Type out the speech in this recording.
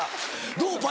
どう？